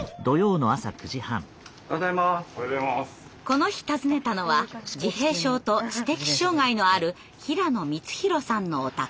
この日訪ねたのは自閉症と知的障害のある平野光宏さんのお宅。